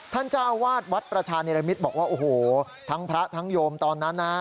เจ้าวาดวัดประชานิรมิตรบอกว่าโอ้โหทั้งพระทั้งโยมตอนนั้นนะ